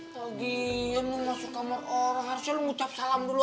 tagi yang lu masuk kamar orang harusnya lu ngucap salam dulu